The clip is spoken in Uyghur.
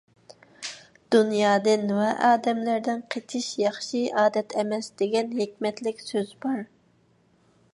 «دۇنيادىن ۋە ئادەملەردىن قېچىش ياخشى ئادەت ئەمەس» دېگەن ھېكمەتلىك سۆز بار.